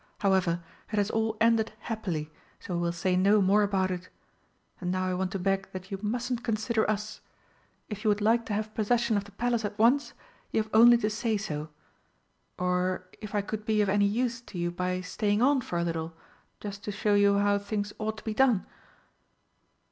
However, it has all ended happily, so we will say no more about it. And now I want to beg that you mustn't consider Us. If you would like to have possession of the Palace at once, you have only to say so. Or if I could be of any use to you by staying on for a little, just to show you how things ought to be done